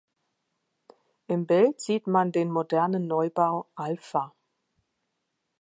Im Bild sieht man den modernen Neubau „alpha“.